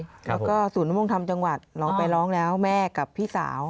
แล้วก็ส่วนน้ำลงทำจังหวัดเราไปร้องแล้วแม่กับพี่สาว